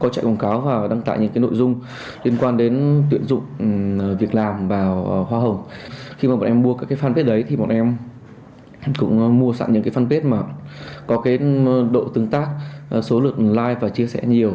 cũng mua sẵn những cái fanpage mà có cái độ tương tác số lượng like và chia sẻ nhiều